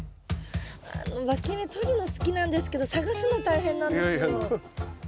わき芽取るの好きなんですけど探すの大変なんですよ。え？